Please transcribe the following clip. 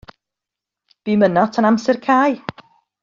Bûm yno tan amser cau.